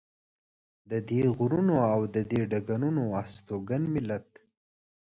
د دې غرونو او دې ډګرونو هستوګن ملت.